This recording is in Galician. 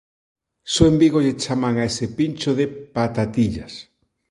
Só en Vigo lle chaman a ese pincho de "Patatillas"